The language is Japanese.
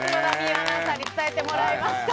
アナウンサーに伝えてもらいました。